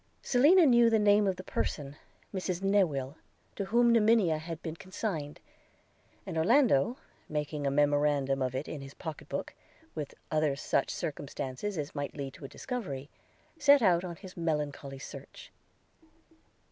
Selina knew the name of the person – Mrs Newill, to whom Monimia had been consigned; and Orlando, making a memorandum of it in his pocket book, with such other circumstances as might lead to a discovery, set out on his melancholy search.